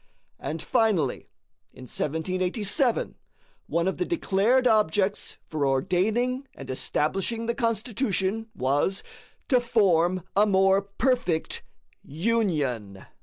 And, finally, in 1787 one of the declared objects for ordaining and establishing the Constitution was "TO FORM A MORE PERFECT UNION."